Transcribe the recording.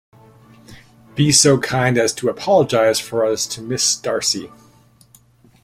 Be so kind as to apologise for us to Miss Darcy.